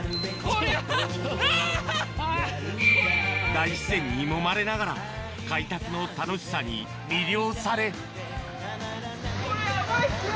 大自然にもまれながら開拓の楽しさに魅了されこれヤバいっすよ！